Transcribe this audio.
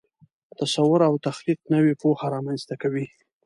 تصور او تخلیق نوې پوهه رامنځته کوي.